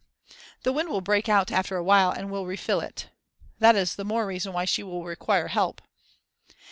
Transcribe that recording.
"The wind will break out after a while and will refill it." "That is the more reason why she will require help."